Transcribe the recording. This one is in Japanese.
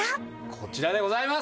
こちらでございます！